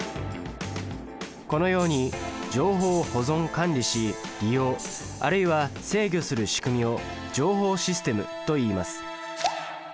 このように情報を保存・管理し利用あるいは制御する仕組みを情報システムといいます。